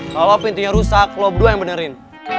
kalau pintunya rusak lo berdua yang benerin